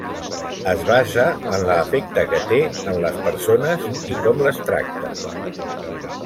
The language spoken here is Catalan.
Es basa en l'afecte que té en les persones i com les tracta.